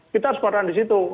kita harus barang di situ